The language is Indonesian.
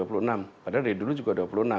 padahal dari dulu juga dua puluh enam